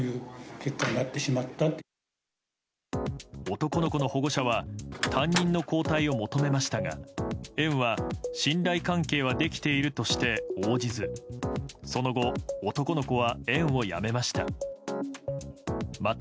男の子の保護者は担任の交代を求めましたが園は信頼関係はできているとして応じずその後、男の子は園をやめました。